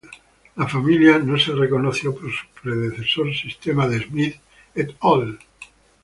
La familia no fue reconocida por su predecesor sistema de Smith "et al.